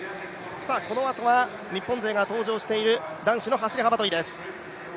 このあとは、日本勢が登場している男子走幅跳です。